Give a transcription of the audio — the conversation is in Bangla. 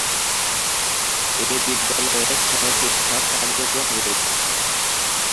এ বিদ্যালয়ে সহ-শিক্ষা কার্যক্রম রয়েছে।